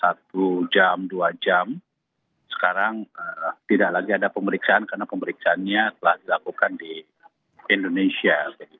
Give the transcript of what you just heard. dan kita menunggu satu jam dua jam sekarang tidak lagi ada pemeriksaan karena pemeriksaannya telah dilakukan di indonesia